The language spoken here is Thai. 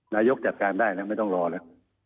นายกจัดการได้นะไม่ต้องรอละ